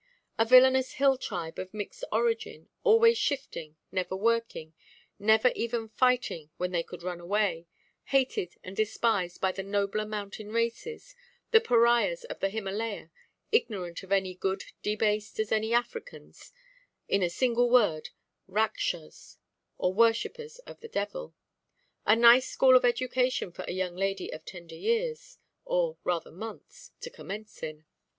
A villanous hill–tribe, of mixed origin, always shifting, never working, never even fighting when they could run away, hated and despised by the nobler mountain races, the pariahs of the Himalayah, ignorant of any good, debased as any Africans—in a single word, Rakshas, or worshippers of the devil. A nice school of education for a young lady of tender years—or rather months—to commence in.